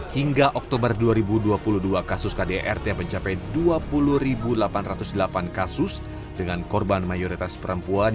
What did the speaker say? hingga oktober dua ribu dua puluh dua kasus kdrt mencapai dua puluh delapan ratus delapan kasus dengan korban mayoritas perempuan